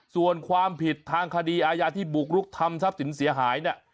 ส่วนความผิดทางคดีอาญาที่บุกรุกทำทรัพย์สินเสียหายเนี่ย